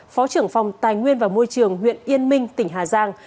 phó trưởng phòng tài nguyên và môi trường huyện yên minh tỉnh hà giang